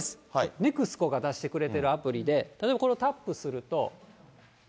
ネクスコが出してくれてるアプリで、例えばこれをタップすると。